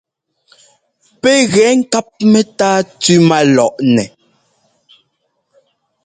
Pɛ́ gɛ ŋkáp mɛ́táa tʉ́ má lɔʼnɛ.